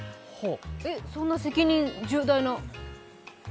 そんな責任重大な。